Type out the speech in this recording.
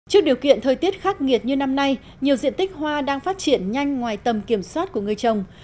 trước điều kiện thời tiết khắc nghiệt như năm nay nhiều diện tích hoa đang phát triển nhanh ngoài tầm kiểm soát của người trồng